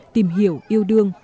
tìm hiểu yêu đương